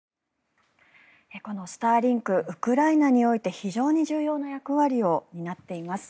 このスターリンクウクライナにおいて非常に重要な役割を担っています。